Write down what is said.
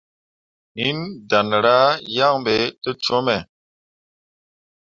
Hinni danra yaŋ ɓe te cume.